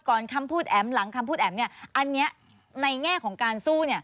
คำพูดแอ๋มหลังคำพูดแอ๋มอันนี้ในแง่ของการสู้